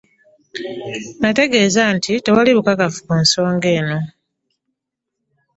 N'ategeeza nti tewali bukakafu ku nsonga eno